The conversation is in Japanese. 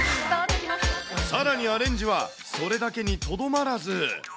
さらにアレンジはそれだけにとどまらず。